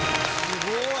すごい。